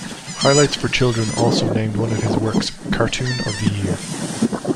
Highlights for Children also named one of his works "Cartoon of the Year".